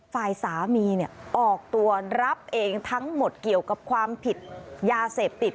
ฝ่ายสามีออกตัวรับเองทั้งหมดเกี่ยวกับความผิดยาเสพติด